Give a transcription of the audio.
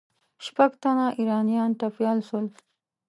شپږ تنه ایرانیان ټپیان سول.